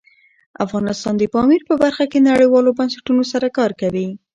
افغانستان د پامیر په برخه کې نړیوالو بنسټونو سره کار کوي.